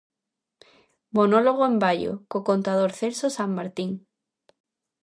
Monólogo en Baio, co contador Celso Sanmartín.